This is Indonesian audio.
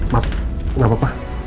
ma'am enggak apa apa